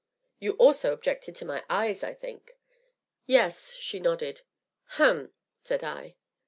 "You also objected to my eyes, I think?" "Yes," she nodded. "Hum!" said I.